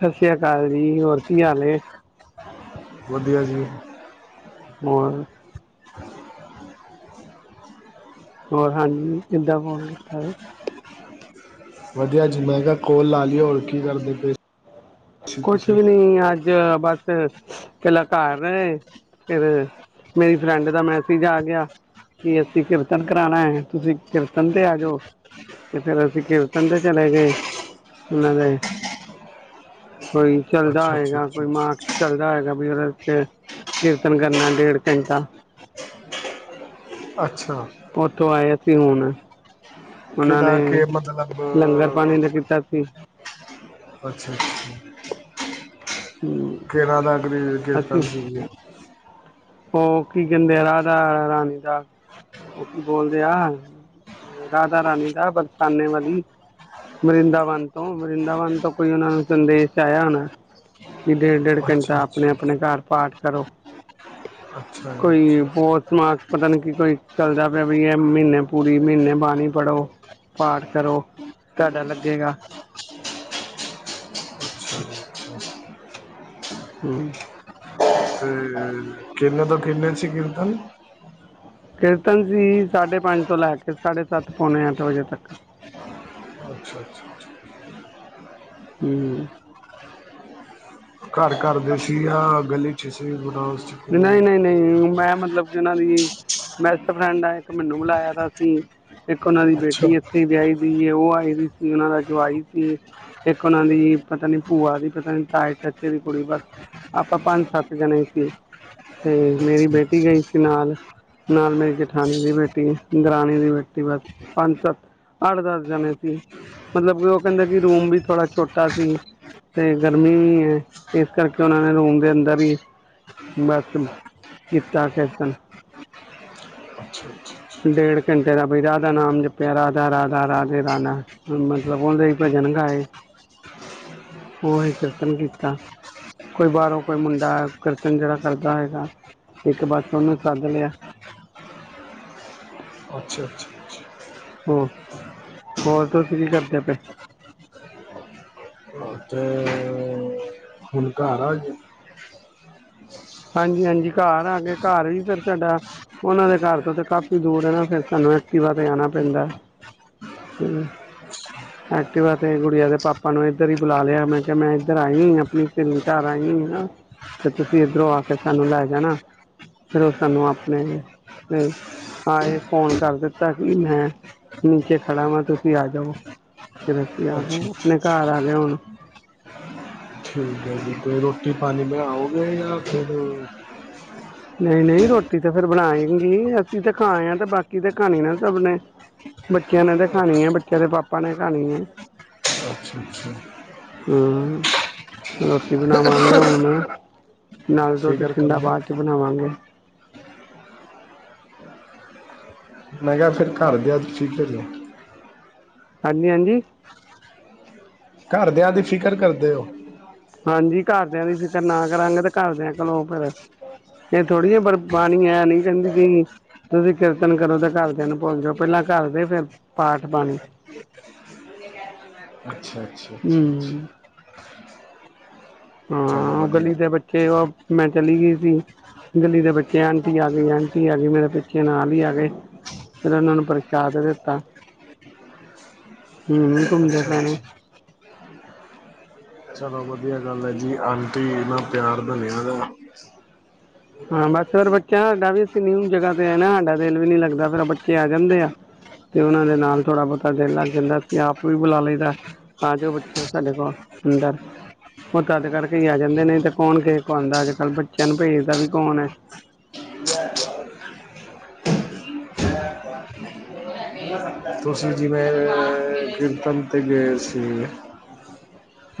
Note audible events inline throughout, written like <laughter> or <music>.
ਸਤਿ ਸ੍ਰੀ ਅਕਾਲ ਜੀ ਹੋਰ ਕੀ ਹਾਲ ਹੈ ਵਧੀਆ ਜੀ ਹੋਰ ਹੋਰ ਹਾਂਜੀ ਕਿੱਦਾਂ ਫੋਨ ਕੀਤਾ ਵਧੀਆ ਜੀ ਮੈਂ ਕਿਹਾ ਕੋਲ ਲਾ ਲਈਏ ਹੋਰ ਕੀ ਕਰਦੇ ਪ ਕੁਛ ਵੀ ਨੀ ਅੱਜ ਬਸ ਪਹਿਲਾਂ ਘਰ ਰਹੇ ਫਿਰ ਮੇਰੀ ਫਰੈਂਡ ਦਾ ਮੈਸੇਜ ਆ ਗਿਆ। ਕੋਈ ਚੱਲਦਾ ਅੱਛਾ ਅੱਛਾ ਹੈਗਾ ਅੱਛਾ ਕੋਈ ਮਾਰਕਸ ਚੱਲਦਾ ਹੋਗਾ ਵੀ ਫਿਰ ਕੀਰਤਨ ਕਰਨਾ ਡੇਢ ਘੰਟਾ ਅੱਛਾ ਅੱਛਾ ਉੱਥੋਂ ਆਏ ਕੀ ਹੁਣ ਉਹਨਾਂ ਕਿਹਦਾ ਨੇ ਕੇ ਮਤਲਬ ਲੰਗਰ ਪਾਣੀ ਦਾ ਕੀਤਾ ਸੀ। ਅੱਛਾ ਅੱਛਾ ਹਮ ਕਿੰਨਾ ਦਾ ਕੀਰਤਨ ਅਸੀਂ ਸੀ। ਉਹ ਕੀ ਕਹਿੰਦੇ ਆ ਰਾਧਾ ਰਾਣੀ ਦਾ ਉਹ ਕੀ ਬੋਲਦੇ ਆ ਰਾਧਾ ਰਾਣੀ ਦਾ ਬਰਸਾਨੇ ਵਾਲੀ ਵਰਿੰਦਾਵਨ ਤੋਂ ਵਰਿੰਦਾਵਨ ਤੋਂ ਕੋਈ ਉਹਨਾਂ ਨੂੰ ਸੰਦੇਸ਼ ਆਇਆ ਹਨਣਾ ਕਿ ਡੇਢ ਡੇਢ ਘੰਟਾ ਅੱਛਾ ਆਪਣੇ ਅੱਛਾ ਆਪਣੇ ਘਰ ਪਾਠ ਕਰੋ। ਅੱਛਾ ਜੀ ਕੋਈ ਅੱਛਾ ਪੋਸਟ ਮਾਰਕ ਪਤਾ ਨੀ ਕੀ ਕੋਈ ਚੱਲਦਾ ਪਿਆ ਵੀ ਇਹ ਮਹੀਨੇ ਪੂਰੀ ਮਹੀਨੇ ਬਾਣੀ ਪੜ੍ਹੋ ਪਾਠ ਕਰੋ ਤੁਹਾਡਾ ਲੱਗੇਗਾ ਅੱਛਾ ਜੀ ਅੱਛਾ। ਹੂੰ ਤੇ ਕਿੰਨੇ ਤੋਂ ਕਿੰਨੇ ਸੀ ਕੀਰਤਨ ਕੀਰਤਨ ਸੀ ਸਾਢੇ ਪੰਜ ਤੋਂ ਲੈ ਕੇ ਸਾਢੇ ਸੱਤ ਪੌਣੇ ਅੱਠ ਵਜੇ ਤੱਕ ਅੱਛਾ ਅੱਛਾ ਹੂੰ ਘਰ ਘਰਦੇ ਸੀ ਜਾਂ ਗਲੀ ਚ'ਸੀ ਨਹੀਂ ਨਹੀਂ ਨਹੀਂ ਮੈਂ ਮਤਲਬ ਉਹਨਾਂ ਦੀ ਬੈਸਟ ਫਰੈਂਡ ਹੈ। ਇੱਕ ਮੈਨੂੰ ਬੁਲਾਇਆ ਤਾ ਅਸੀਂ ਇੱਕ ਉਹਨਾਂ ਦੀ ਅੱਛਾ ਬੇਟੀ ਇੱਥੇ ਹੀ ਵਿਆਹੀ ਉਹ ਆਈ ਦੀ ਸੀ ਉਹਨਾਂ ਦਾ ਜਵਾਈ ਸੀ ਇੱਕ ਉਹਨਾਂ ਦੀ ਪਤਾ ਨੀ ਭੂਆ ਦੀ ਪਤਾ ਨੀ ਤਾਏ ਚਾਚੇ ਦੀ ਕੁੜੀ ਬਸ ਆਪਾਂ ਪੰਜ ਸੱਤ ਜਣੇ ਸੀ। ਤੇ ਮੇਰੀ ਬੇਟੀ ਗਈ ਸੀ ਨਾਲ, ਨਾਲ ਮੇਰੀ ਜਠਾਨੀ ਦੀ ਬੇਟੀ, ਦਰਾਣੀ ਦੀ ਬੇਟੀ, ਬਸ ਪੰਜ ਸੱਤ ਅੱਠ ਦਸ ਜਣੇ ਸੀ, ਮਤਲਬ ਕਿ ਉਹ ਕਹਿੰਦੇ ਕਿ ਰੂਮ ਵੀ ਥੋੜਾ ਛੋਟਾ ਸੀ ਤੇ ਗਰਮੀ ਵੀ ਹੈ, ਇਸ ਕਰਕੇ ਉਹਨਾਂ ਨੇ ਰੂਮ ਦੇ ਅੰਦਰ ਹੀ ਬਸ ਕੀਤਾ ਕੀਰਤਨ ਅੱਛਾ ਅੱਛਾ ਡੇਢ ਘੰਟੇ ਦਾ ਬਈ ਰਾਧਾ ਨਾਮ ਜਪਿਆ ਰਾਧਾ ਰਾਧਾ ਰਾਧੇ ਰਾਧਾ ਰਾਨਾ ਮਤਲਬ ਉਹਦੇ ਹੀ ਭਜਨ ਗਾਏ, ਉਹੀ ਕੀਰਤਨ ਕੀਤਾ ਕੋਈ ਬਾਹਰੋਂ ਕੋਈ ਮੁੰਡਾ ਕੀਰਤਨ ਜਿਹੜਾ ਕਰਦਾ ਹੋਏਗਾ ਇੱਕ ਬਸ ਉਹਨੂੰ ਸੱਦ ਲਿਆ ਅੱਛਾ -ਅੱਛਾ -ਅੱਛਾ ਹੋ, ਹੋਰ ਤੁਸੀਂ ਕੀ ਕਰਦੇ ਪੈ ਅੱਛਾ। ਤੇ ਹੁਣ ਘਰ ਆ ਗਏ ਹਾਂਜੀ ਹਾਂਜੀ ਘਰ ਆ ਗਾ ਘਰ ਵੀ ਫਿਰ ਸਾਡਾ ਉਹਨਾਂ ਦੇ ਘਰ ਤੋਂ ਤੇ ਕਾਫੀ ਦੂਰ ਹੈ, ਨਾ ਫਿਰ ਸਾਨੂੰ ਐਕਟੀਵਾ ਤੇ ਆਣਾ ਪੈਂਦਾ, ਐਕਟੀਵਾ ਤੇ ਗੁੜੀਆਂ ਦੇ ਪਾਪਾ ਨੂੰ ਇੱਧਰ ਹੀ ਬੁਲਾ ਲਿਆ ਮੈਂ ਕਿਹਾ ਮੈਂ ਇਧਰ ਆਈ ਹੋਈ ਆਪਣੀ ਸਹੇਲੀ ਘਰ ਆਈ ਹੋਈ ਆ ਤੇ ਤੁਸੀਂ ਇੱਧਰੋਂ ਕੇ ਸਾਨੂੰ ਲੈ ਜਾਣਾ ਫਿਰ ਉਹ ਸਾਨੂੰ ਆਪਣੇ, ਆਏ ਫੋਨ ਕਰ ਦਿੱਤਾ ਕਿ ਮੈਂ ਨੀਚੇ ਖੜਾ ਵਾਂ ਤੁਸੀਂ ਆ ਜਾਓ, ਫਿਰ ਅਸੀਂ ਆ ਗਏ ਅੱਛਾ ਆਪਣੇ ਘਰ ਆ ਗਏ ਹੁਣ ਠੀਕ ਹੈ ਜੀ, ਕੋਈ ਰੋਟੀ ਪਾਣੀ ਮੈਂ ਆਓਗੇ ਜਾਂ ਫਿਰ ਨਹੀਂ ਨਹੀਂ ਰੋਟੀ ਤਾਂ ਫੇਰ ਬਣਾਏਗੀ ਅਸੀਂ ਤਾਂ ਖਾਏ ਆ ਤੇ ਬਾਕੀ ਤੇ ਖਾਣੀ ਨਾ ਸਭ ਨੇ ਬੱਚਿਆਂ ਨੇ ਤੇ ਖਾਣੀ ਹੈ, ਬੱਚਿਆਂ ਦੇ ਪਾਪਾ ਨੇ ਖਾਣੀ ਹੈ, ਅੱਛਾ ਅੱਛਾ ਹਾਂ ਰੋਟੀ ਬਣਾਵਾਂਗੇ ਹੁਣ ਨਾਲ ਦੁਧਤੇ ਫਿਕਰ ਠੰਡਾ ਕਰਦੇ ਬਾਅ ਹਾਗੇ, ਮੈਂ ਕਿਹਾ ਫਿਰ ਘਰ ਜਾ, ਹਾਂਜੀ-ਹਾਂਜੀ। ਘਰਦਿਆਂ ਦੀ ਫਿਕਰ ਕਰਦੇ ਹੋ, ਘਰ ਦਿਆਂ ਦੀ ਫਿਕਰ ਨਾ ਕਰਾਂਗੇ ਤੇ ਘਰਦਿਆਂ ਕਰਲੋ ਫਿਰ ਇਹ ਥੋੜੀ ਹੈ ਪਰ ਬਾਣੀ ਐ ਨੀ ਕਹਿੰਦੀ ਗਈ ਤੁਸੀਂ ਕੀਰਤਨ ਕਰੋ ਤੇ ਘਰਦਿਆਂ ਨੂੰ ਭੁੱਲ ਜਾਓ ਪਹਿਲਾਂ ਘਰ ਦੇ ਫਿਰ ਪਾਠ ਬਾਣੀ, ਹੂੰ ਅੱਛਾ-ਅੱਛਾ-ਅੱਛਾ। ਹਾਂ, ਉਹ ਵਧੀਆ ਗਲੀ ਦੇ ਬੱਚੇ ਉਹ ਮੈਂ ਚਲੀ ਗਈ ਸੀ, ਗਲੀ ਦੇ ਬੱਚੇ ਆਂਟੀ ਆ ਗਈ ਆਂਟੀ ਆ ਗਈ ਮੇਰੇ ਪਿੱਛੇ ਨਾਲ ਹੀ ਆ ਗਏ, ਫਿਰ ਉਹਨਾਂ ਨੂੰ ਪ੍ਰਸ਼ਾਦ ਦਿੱਤਾ, ਹੂੰ ਘੁੰਮਦੇ ਅੱਛਾ ਪਏ ਨੇ। ਅੱਛਾ ਚਲੋ ਵਧੀਆ ਗੱਲ ਹੈ ਜੀ ਆਂਟੀ ਨਾ ਪਿਆਰ ਦ ਨਿਆ, ਹਾਂ ਬਸ ਫਿਰ ਬੱਚਾ ਸਾਡਾ ਵੀ ਅਸੀਂ ਨਿਊ ਜਗ੍ਹਾ ਤੇ ਆ ਨਾ ਸਾਡਾ ਦਿਲ ਵੀ ਨੀ ਲੱਗਦਾ ਫੇਰ ਬੱਚੇ ਆ ਜਾਂਦੇ ਆ ਤੇ ਉਹਨਾਂ ਦੇ ਨਾਲ ਥੋੜਾ ਬਹੁਤਾ ਦਿਲ ਲੱਗ ਜਾਂਦਾ ਅਸੀਂ ਆਪ ਵੀ ਬੁਲਾ ਲਈਦਾ, ਆ ਜੋਓ ਬੱਚੇ ਸਾਡੇ ਕੋਲ ਅੰਦਰ ਉਹ ਤਦ ਕਰਕੇ ਆ ਜਾਂਦੇ ਨੇ ਤੇ ਕੌਣ ਕੇ ਆਉਂਦਾ ਅੱਜ ਕੱਲ ਬੱਚਿਆਂ ਨੂੰ ਭੇਜਦਾ ਵੀ। ਕੌਣ ਹੈ। ਤੁਸੀਂ, ਜੀ ਮੈਂ, ਗ੍ਰਮਤਮ। ਤੇ ਗਏ ਸੀ।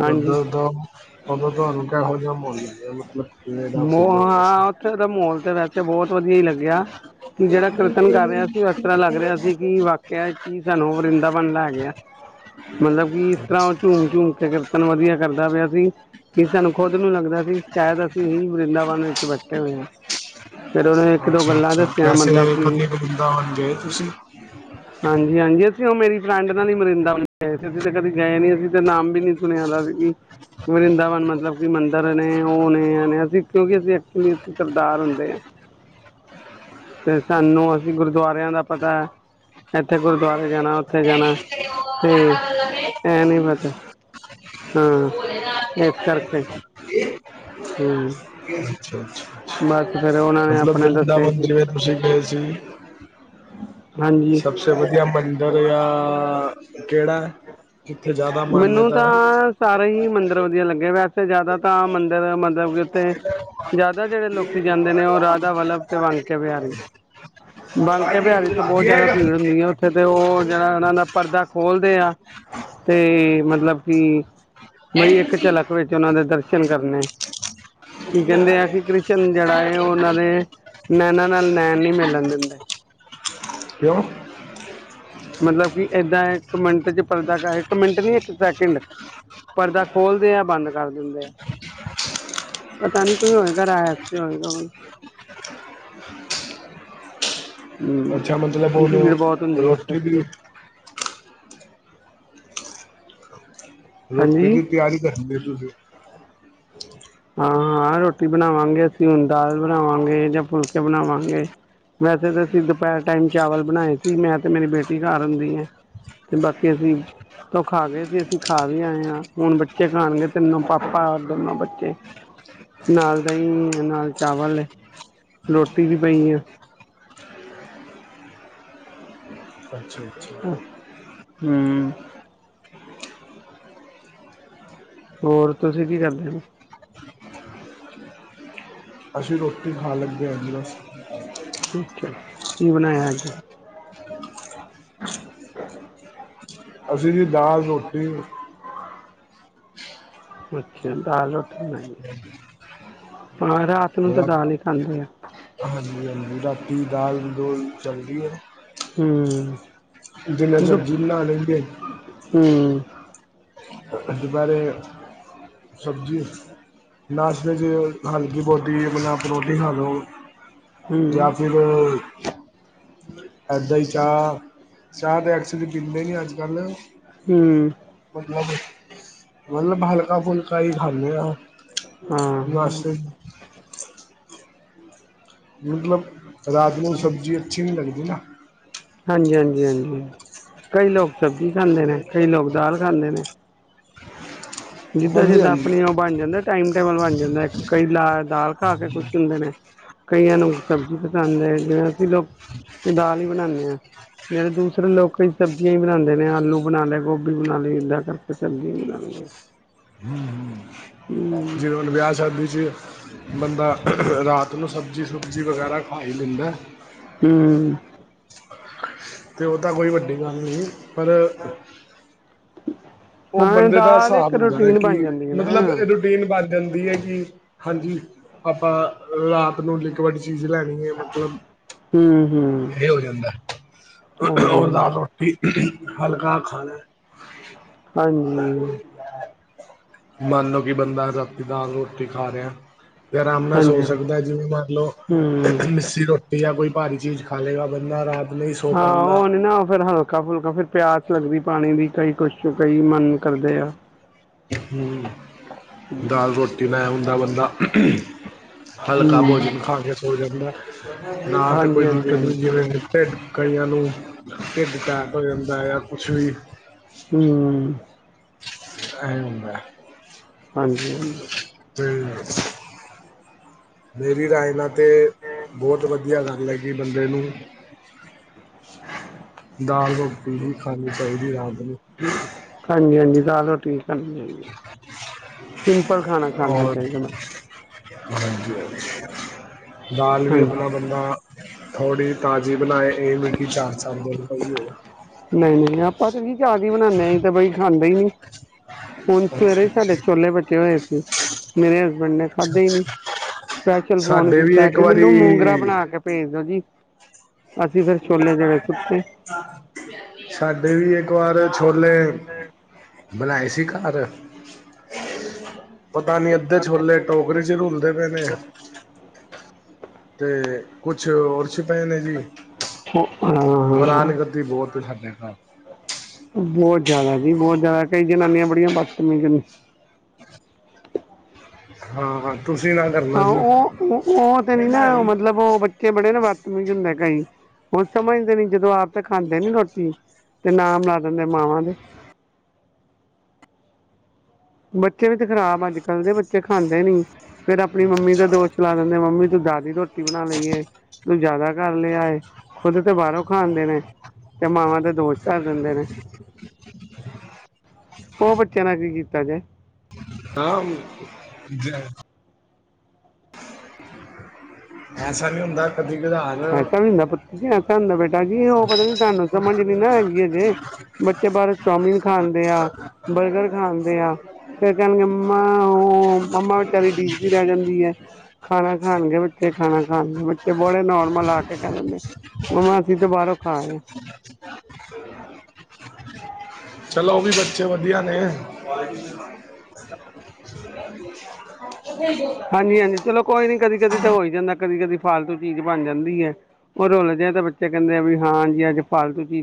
ਹਾਂਜੀ <unintelligible> ਮ ਫੀਲ ਹੋਇਆ ਹਾਂ ਸੀ ਉੱਥੇ ਤਾਂ ਮਾਹੋਲ ਤੇ ਬੈ ਅਤੇ ਬਹੁਤ ਵਧੀਆ ਹੀ ਲੱਗਿਆ। ਕਿ ਜਿਹੜਾ ਕੀਰਤਨ ਕਰ ਰਿਹਾ ਸੀ ਉਹ ਇਸ ਤਰ੍ਹਾਂ ਲੱਗ ਰਿਹਾ ਸੀ ਕਿ ਵਾਕਿਆ ਕੀ ਸਾਨੂੰ ਵਰਿੰਦਾ ਬਣ ਲੈ ਗਿਆ ਮਤਲਬ ਕਿ ਇਸ ਤਰ੍ਹਾਂ ਉਹ ਝੂਮ ਝੂਮ ਕੇ ਕੀਰਤਨ ਵਧੀਆ ਕਰਦਾ ਪਿਆ ਸੀ, ਕੀ ਸਾਨੂੰ ਖੁਦ ਨੂੰ ਲੱਗਦਾ ਸੀ ਸ਼ਾਇਦ ਅਸੀਂ ਵਰਿੰਦਾਵਨ ਵਿੱਚ ਬੈਠੇ ਹੋਏ ਹਾਂ। ਫਿਰ ਉਹਨੇ ਇੱਕ ਦੋ ਗੱਲਾਂ ਅੱਛਾ-ਅੱਛਾ, ਦੱਸੀਆਂ ਮਤਲਬ ਵੈਸੇ ਕਿ ਕਦੇ ਬਿੰਦਾ ਹੋਣ ਗਏ ਤੁਸੀਂ, ਜੀ ਹਾਂਜੀ ਅਸੀਂ ਉਹ ਮੇਰੀ ਫਰੈਂਡ ਨਾਲ ਹੀ ਵਰਿੰਦਾਵਨ ਗਏ ਸੀ ਅਸੀਂ ਤੇ ਕਦੇ ਗਏ ਨੀ ਅਸੀਂ ਤੇ ਨਾਮ ਵੀ ਨੀ ਸੁਣਿਆ ਸੀ ਵਰਿੰਦਾਵਨ ਮਤਲਬ ਕਿ ਮੰਦਿਰ ਨੇ ਉਹ ਨੇ, ਅ ਕਿਉਂਕਿ ਅਸੀਂ ਕਿਰਦਾਰ ਹੁੰਦੇ ਆ, ਤੇ ਸਾਨੂੰ ਅਸੀਂ ਗੁਰਦੁਆਰਿਆਂ ਦਾ ਪਤਾ ਇੱਥੇ ਗੁਰਦੁਆਰੇ ਜਾਣਾ ਉੱਥੇ ਜਾਣਾ ਤੇ ਇਹ ਨੀ ਪਤਾ, ਹਾਂ, ਇਸ ਕਰਕੇ, ਹਾਂ, ਅੱਛਾ ਅੱਛਾ ਬਸ। ਫੇਰ ਉਹਨਾਂ ਨੇ ਮਤਲਬ ਆਪਣੇ ਦੱਸੇ ਵਰਿੰਦਾਵਨ ਸੀ ਜਿਵੇਂ ਤੁਸੀਂ ਗਏ ਸੀ, ਹਾਂਜੀ ਸਬਸੇ ਵਧੀਆ ਮੰਦਿਰ ਆ, ਕਿਹੜਾ? ਇੱਥੇ ਜ਼ਿਆਦਾ ਮੈਨੂੰ ਮਾਨਤਾ ਤਾਂ ਸਾਰੇ ਮੰਦਿਰ ਵਧੀਆ ਲੱਗੇ ਵੈਸੇ ਜ਼ਿਆਦਾ ਤਾਂ ਮੰਦਿਰ ਮਤਲਬ ਕਿ ਉੱਥੇ ਜ਼ਿਆਦਾ ਜਿਹੜੇ ਲੋਕੀ ਜਾਂਦੇ ਨੇ ਉਹ ਰਾਧਾ ਵੱਲਭ ਤੇ ਵਾਂਕੇ ਵਿਹਾਰੀ ਬਿਹਾਰੀ ਤੋਂ ਬਹੁਤ ਜ਼ਿਆਦਾ ਭੀੜ ਹੁੰਦੀ ਹੈ। ਉੱਥੇ ਤੇ ਉਹ ਜਿਹੜਾ ਉਹਨਾਂ ਦਾ ਪਰਦਾ ਖੋਲਦੇ ਆ ਤੇ ਮਤਲਬ ਕਿ, ਬਈ ਇੱਕ ਝਲਕ ਵਿੱਚ ਉਹਨਾਂ ਦੇ ਦਰਸ਼ਨ ਕਰਨੇ ਕੀ ਕਹਿੰਦੇ ਆ ਕਿ, ਕ੍ਰਿਸ਼ਨ ਜਿਹੜਾ ਹੈ ਉਹ ਉਹਨਾਂ ਦੇ ਨੈਨਾਂ ਨਾਲ, ਨੈਣ ਨ ਮਿਲਣ ਦਿੰਦੇ। <unintelligible> ਮਤਲਬ ਕਿ, ਏਦਾਂ ਇੱਕ ਮਿੰਟ ਚ ਪਰਦਾ ਇੱਕ ਮਿੰਟ ਨੀ ਇੱਕ ਸੈਕਿੰਡ ਪਰਦਾ ਖੋਲਦੇ ਆ, ਬੰਦ ਕਰ ਦਿੰਦੇ ਆ, ਪਤਾ ਨੀ ਕੋਈ ਹੋਏਗਾ ਰਾ ਹੋਏਗਾ। ਅੱਛਾ, ਮਤਲਬ ਹੂੰ ਬਲ ਭੀੜ ਬਹੁਤ ਹੁੰਦੀ ਉੱਥੇ ਰੋਟੀ ਪਰ ਵੀ <unintelligible> ਰੋਟੀ ਹਾਂਜੀ ਦੀ ਤਿਆਰੀ ਕਰ <unintelligible> ਹਾਂ- ਹਾਂ ਰੋਟੀ ਬਣਾਵਾਂਗੇ ਅਸੀਂ, ਹੁਣ ਦਾਲ ਬਣਾਵਾਂਗੇ ਜਾਂ ਫੁਲਕੇ ਬਣਾਵਾਂਗੇ, ਵੈਸੇ ਤਾਂ ਅਸੀਂ ਦੁਪਹਿਰ ਟਾਈਮ ਚਾਵਲ ਬਣਾਏ ਸੀ, ਮੈਂ ਤੇ ਮੇਰੀ ਬੇਟੀ ਘਰ ਹੁੰਦੀ ਹੈ। ਤੇ ਬਾਕੀ ਅਸੀਂ ਤੇ ਓ ਖਾ ਗਏ ਸੀ, ਅਸੀਂ ਖਾ ਵੀ ਆਏ ਹਾਂ। ਹੁਣ ਬੱਚੇ ਖਾਣਗੇ, ਤਿੰਨੋ ਪਾਪਾ ਦੋਨੋ ਬੱਚੇ। ਨਾਲ ਦਹੀਂ ਏ, ਨਾਲ ਚਾਵਲ ਏ, ਰੋਟੀ ਵੀ ਪਈ ਏ। ਅੱਛਾ ਹ ਅੱਛਾ ਹ ਮ। ਹੋਰ ਤੁਸੀਂ ਕੀ ਕਰਦੇ ਹੋ। ਅਸੀਂ ਰੋਟੀ ਖਾਣ ਲੱਗੇ ਹਾਂ। ਜੀ ਬਸ। ਅੱਛਾ, ਕੀ ਬਣਾਇਆ ਅੱਜ? ਅੱਸੀ ਨੀ ਦਾਲ -ਰੋਟੀ। ਅੱਛਾ, ਦਾਲ ਰੋਟੀ ਨਹੀਂ ਹੈ <unintelligible> ਰਾਤ ਨੂੰ, ਤੇ ਰਾ- ਦਾਲ ਹੀ ਖਾਂਦੇ ਆ। <unintelligible> ਹਾਂਜੀ ਰਾਤੀ, ਦਾਲ -ਦੂਲ ਚਲਦੀ ਏ। ਹ ਮ। ਜਿਵੇਂ, ਸਬਜ਼ੀ ਬਣਾ ਦਿੰਦੇ ਨੇ। <unintelligible> ਦੁਪਹਿਰੇ ਸਬਜ਼ੀ, ਨਾਸ਼ਤੇ ਚ ਹਲਕੀ ਪਰੌਂਠੀ ਬਣਾ ਕੇ, ਰੋਟੀ ਖਾ ਲਓ। ਜਾਂ ਹੂੰ ਫਿਰ ਏਦਾਂ ਹੀ ਚਾਹ -ਚਾਹ ਤੇ, ਐਕਚੁਲੀ ਪੀਂਦੇ ਨਹੀਂ ਅੱਜ -ਕੱਲ। ਹ ਮ। ਮਾਮੀ। ਮਤਲਬ, ਹਲਕਾ- ਫੁਲਕਾ ਹੀ ਖਾਨੇ ਆ। ਹਾਂ ਹ ਮ। ਮਤਲਬ। ਤੇ ਰਾਤ ਨੂੰ, ਸਬਜ਼ੀ ਅੱਛੀ ਨਹੀਂ ਲੱਗ ਨਾਂ। ਹਾਂਜੀ-ਹਾਂਜੀ-ਹਾਂਜੀ ਕਈ ਲੋਕ ਸਬਜ਼ੀ ਖਾਂਦੇ ਨੇ, ਕਈ ਲੋਕ ਦਾਲ ਜਾਂਦੇ ਨੇ। ਜਿੱਦਾਂ ਹਾਂਜੀ -ਜਿੱਦਾਂ ਹਾਂਜੀ ਆਪਣੀ ਉਹ ਬਣ ਜਾਂਦਾ, ਟਾਈਮ- ਟੇਬਲ ਬਣ ਜਾਂਦਾ ਕਈ ਲਾ <unintelligible> ਦਾਲ ਖਾ ਕੇ ਖੁਸ਼ ਹੁੰਦੇ ਨੇ। ਕਈਆਂ ਨੂੰ ਸਬਜ਼ੀ ਪਸੰਦ ਹੈ ਜਿਵੇਂ ਅਸੀਂ ਲੋਕ ਦਾਲ ਵੀ ਬਣਾਉਨੇ ਹਾਂ, ਜਿਵੇਂ ਦੂਸਰੇ ਲੋਕ ਸਬਜ਼ੀਆਂ ਹੀ ਬਣਾਉਂਦੇ ਨੇ ਆਲ ਬਣਾਉਂਦੇ ਗੋਭੀ ਬਣਾਉਂਦੇ <unintelligible> <inaudible> ਜਿਵੇਂ ਹੁਣ ਵਿਆਹ ਸ਼ਾਦੀ' ਚ ਬੰਦਾ ਰਾਤ ਨੂੰ ਸਬਜ਼ੀ। ਸਬਜ਼ੀ ਵਗੈਰਾ ਖਾਹੀ ਲੈਂਦਾ। ਹਮ ਤੇ ਉਦਾਂ ਕੋਈ ਵੱਡੀ ਗੱਲ ਨਹੀਂ। ਪਰ ਉਹ ਹਾਂ ਬੰਦੇ ਦਾ ਦਾਲ ਹਿਸਾਬ ਇੱਕ ਹੁੰਦਾ ਹੈ ਰੂਟੀਨ ਕਿ ਬਣ ਜਾਂਦੀ ਹੈ ਨਾ ਮਤਲਬ ਰੂਟੀਨ ਬਣ ਜਾਂਦੀ ਹੈ ਕਿ ਹਾਂਜੀ ਆਪਾਂ ਰਾਤ ਨੂੰ ਲਿਕਵਡ ਚ ਚੀਜ਼ ਲੈਣੀ ਹੈ ਮਤਲਬ ਹਮ ਹਮ ਇਹ ਹੋ ਜਾਂਦਾ ਹਾਂਜੀ ਉਹ ਦਾਲ ਹਾਂਜੀ ਰੋਟੀ ਹਲਕਾ ਖਾਣੈ ਹਾਂਜੀ ਮਨ ਲੋ ਕਿ ਬੰਦਾ ਰਾਤੀਂ ਦਾਲ ਰੋਟੀ ਖਾ ਰਿਹਾ ਵੀ ਆਰਾਮ ਨਾਲ ਸੋ ਹਾਂਜੀ ਹਮ ਸਕਦਾ ਜਿਵੇਂ ਮੰਨ ਲਓ ਮਿੱਸੀ ਰੋਟੀ ਯਾਂ ਕੋਈ ਭਾਰੀ ਚੀਜ਼ ਖਾ ਲਏਗਾ ਬਨਾ ਰਾਜ <unintelligible> ਹਾਂ ਉਹ ਨੀ ਨਾ ਫੇਰ ਹਲਕਾ ਫੁਲਕਾ ਫੇਰ ਪਿਆਸ ਲੱਗਦੀ ਪਾਣੀ ਦੀ ਕਈ ਕੁਛ ਕਈ ਮਨ ਕਰਦੇ ਆ ਹਮ ਦਾਲ ਰੋਟੀ ਲੈ ਆਉਂਦੈ ਬੰਦਾ ਹਲਕਾ ਹੂੰ ਭੋਜਨ ਖਾ ਕੇ ਸੋ ਜਾਂਦੈ ਨਾ ਤਾਂ ਹਾਂਜੀ ਹਾਂਜੀ ਕੋਈ ਹਾਂਜੀ ਦਿੱਕਤ ਹੁੰਦੀ ਜਿਵੇਂ ਢਿੱਡ ਕਈਆਂ ਨੂੰ ਢਿੱਡ ਟੈਕ ਹੋ ਜਾਂਦਾ ਯਾ ਅੱਛਾ ਜੀ ਹਮ ਐ ਹੁੰਦਾ ਹਾਂਜੀ ਤੇ ਮੇਰੀ ਰਾਏ ਨਾਲ ਤੇ ਬਹੁਤ ਵਧੀਆ ਗੱਲ ਹੈਗੀ ਬੰਦੇ ਨੂੰ ਦਾਲ ਰੋਟੀ ਖਾਣੀ ਚਾਹੀਦੀ ਆ ਹਾਂਜੀ ਹਾਂਜੀ ਦਾਲ ਰੋਟੀ ਹਾਂਜੀ ਸਿੰਪਲ ਖਾਣਾ ਖਾਣਾ ਔਰ ਚਾਹੀਦਾ ਹਾਂਜੀ <unintelligible> ਦਾਲ ਵੀ ਹਾਂਜੀ ਆਪਣਾ ਬੰਦਾ ਥੋੜ੍ਹੀ ਤਾਜ਼ੀ ਬਣਾਏ ਇਹ ਨਹੀਂ ਕਿ ਚਾਰ ਚਾਰ ਦਿਨ ਪਈ ਹੋਵੇ ਨਹੀਂ-ਨਹੀਂ ਆਪਾਂ ਤੇ ਜੀ ਤਾਜੀ ਬਣਾਦੇ ਅਸੀਂ ਤੇ ਬਈ ਖਾਂਦੇ ਈ ਨਹੀਂ, ਹੁਣ ਸਵੇਰੇ ਹੀ ਸਾਡੇ ਛੋਲੇ ਬਚੇ ਹੋਏ ਸੀ। ਮੇਰੇ ਬੇਂਡ ਨੇ ਖਾਧੇ ਹੀ ਨੀ ਸਪੈਸ਼ਲ ਫੋਨ ਸਾਡੇ ਵੀ ਕੀਤਾ ਇੱਕ ਕਿ ਮੈਨੂੰ ਮੂੰਗਰਾ ਵਾਰੀ ਬਣਾ ਕੇ ਭੇਜ ਦੋ ਜੀ, ਅਸੀਂ ਫੇਰ ਛੋਲੇ ਜਿਹੜੇ ਸੁੱਟੇ, ਸਾਡੇ ਵੀ ਇੱਕ ਵਾਰ ਛੋਲੇ ਬਣਾਏ ਸੀ। ਅਰ, ਪਤਾ ਨੀ ਅੱਧੇ ਛੋਲੇ ਟੋਕਰੀ ਚ ਰੁਲਦੇ ਪਏ ਨੇ, ਤੇ ਕੁਛ ਔਡਸ ਪਏ ਨੇ ਜੀ, ਬਰਾਨ ਹਾਂ ਗੱਦੀ ਬਹੁਤ, <unintelligible> ਬਹੁਤ ਜਿਆਦਾ ਜੀ ਬਹੁਤ ਜ਼ਿਆਦਾ, ਕਈ ਜਨਾਨੀਆਂ ਬੜੀਆਂ ਬਸ <unintelligible> ਹਾਂ-ਹਾਂ, ਹਾਂ ਉਹ-ਉਹ ਤੇ ਨੀ ਨਾ ਮਤਲਬ ਉਹ ਬੱਚੇ ਬੜੇ ਨਾ ਵਰਤਮੀਜ ਹੁੰਦੇ ਕਈ ਹੁਣ ਸਮਝਦੇ ਨੀ ਜਦੋਂ ਆਪ ਤਾਂ ਖਾਂਦੇ ਨੀ ਰੋਟੀ ਤੇ ਨਾਮ ਲਾ ਦਿੰਦੇ ਮਾਵਾਂ ਦੇ, ਬਟ, ਸਿਹਤ ਖਰਾਬ ਐ ਅੱਜ ਕੱਲ੍ਹ ਦੇ ਬੱਚੇ ਖਾਂਦੇ ਨੀ ਫੇਰ ਆਪਣੀ ਮੰਮੀ ਦਾ ਦੋਸ਼ ਲਾ ਦਿੰਦੇ ਮੰਮੀ ਤੂੰ ਜਿਆਦੀ ਰੋਟੀ ਬਣਾ ਲਈਏ ਤੂੰ ਜਿਆਦਾ ਕਰ ਲਿਆਏ ਖੁਦ ਤੇ ਬਾਹਰੋਂ ਖਾਂਦੇ ਨੇ ਤੇ ਮਾਵਾਂ ਦੇ ਦੋਸ਼ ਧਰ ਦਿੰਦੇ ਨੇ। ਉਹ ਬੱਚਿਆਂ ਨੇ ਕੀ ਕੀਤਾ। ਤ ਜੇ, ਹਾਂ, ਐਸਾ ਨਹੀਂ ਹੁੰਦਾ। ਕਦੀ ਕਧਾਰ ਐਸਾ ਵੀ ਹੁੰਦਾ ਪੁੱਤਰ ਜੀ ਐਸਾ ਹੁੰਦਾ ਬੇਟਾ ਜੀ। ਨਹੀਂ ਉਹ ਪਤਾ ਨੀ ਤੁਹਾਨੂੰ ਸਮਝ ਨੀ ਨਾ ਹੈਗੀ ਅਜੇ ਬੱਚੇ ਬਾਹਰ ਚੌਮਿਨ ਖਾਂਣਦੇ ਆ ਬਰਗਰ ਖਾਂਣਦੇ ਆ ਫੇਰ ਕਹਿਣਗੇ ਮੰਮਾ ਉਹ ਮੰਮਾ ਵਿਚਾਰੀ ਡਿਕਦੀ ਵੀ ਰਹਿ ਜਾਂਦੀ ਹੈ ਖਾਣਾ ਖਾਣਗੇ ਬੇ ਖਾਣਾ ਖਾਣ ਦੇ ਬੱਚੇ ਬੜੇ ਨੋਰਮਲ ਲਾ ਕੇ ਕਹਿ ਦਿੰਦੇ ਮੰਮਾ ਅਸੀਂ ਤਾਂ ਬਾਹਰੋਂ ਖਾ ਆਏ ਆ। ਚਲੋ ਉਹ ਵੀ ਬੱਚੇ ਵਧੀਆ ਨੇ, <unintelligible> ਹਾਂਜੀ ਹਾਂਜੀ <unintelligible> ਚਲੋ ਕੋਈ ਨੀ ਕਦੀ-ਕਦੀ ਤਾਂ ਹੋਈ ਜਾਂਦਾ ਕਦੀ-ਕਦੀ ਫਾਲਤੂ ਚੀਜ਼ ਬਣ ਜਾਂਦੀ ਹੈ ਉਹ ਰੁਲ ਜਾਏ ਤਾਂ ਬੱਚੇ ਕਹਿੰਦੇ ਆ ਵੀ ਹਾਂਜੀ ਅੱਜ ਫਾਲਤੂ ਚੀਜ਼